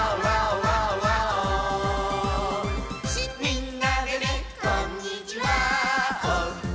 「みんなでねこんにちわお！」